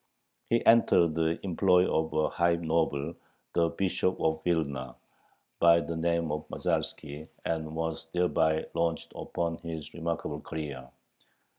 He entered the employ of a high noble, the Bishop of Vilna, by the name of Masalski, and was thereby launched upon his remarkable career.